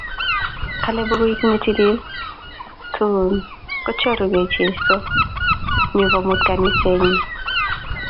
Kale bukuit ne tilil tun kochorukei Jeso nyukomut kaniset nyi